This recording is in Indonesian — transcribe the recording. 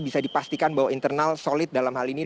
bisa dipastikan bahwa internal solid dalam hal ini